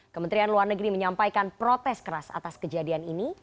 kementerian luar negeri menyampaikan protes keras atas kejadian ini